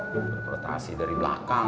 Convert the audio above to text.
berprestasi dari belakang